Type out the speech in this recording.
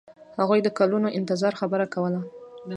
هغوی د کلونو انتظار خبره کوله.